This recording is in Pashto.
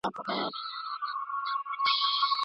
سمدستي یې سره پرانیسته په منډه